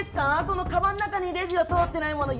その鞄の中にレジを通ってないもの。